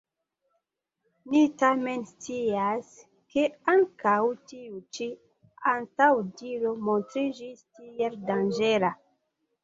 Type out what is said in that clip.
Ni tamen scias, ke ankaŭ tiu ĉi antaŭdiro montriĝis ne tiel danĝera.